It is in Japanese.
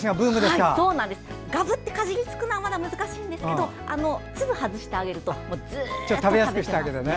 がぶってかじりつくのはまだ難しいんですけど粒を外してあげると食べますね。